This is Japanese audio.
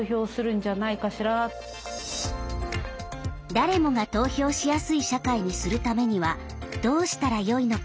誰もが投票しやすい社会にするためにはどうしたらよいのか。